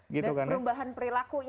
betul dan perubahan perilakunya